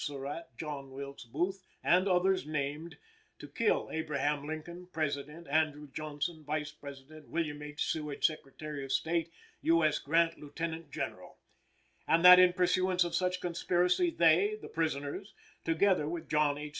Surratt, John Wilkes Booth and the others named, to kill Abraham Lincoln, President, Andrew Johnson, Vice President, Wm. H. Seward, Secretary of State, U. S. Grant, Lieutenant General; and that in pursuance of such conspiracy they (the prisoners) together with John H.